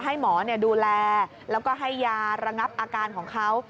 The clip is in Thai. ให้หมอดูแลแล้วก็ให้ยาระงับอาการของเขา